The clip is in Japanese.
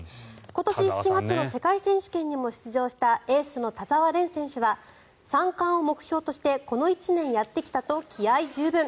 今年７月の世界選手権にも出場したエースの田澤廉選手は３冠を目標としてこの１年やってきたと気合十分。